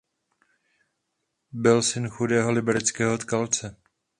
Byl syn chudého libereckého tkalce.